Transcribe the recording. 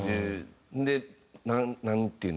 でなんていうの？